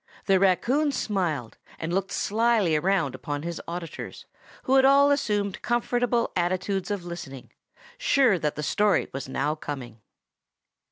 The raccoon smiled, and looked slyly round upon his auditors, who had all assumed comfortable attitudes of listening, sure that the story was now coming.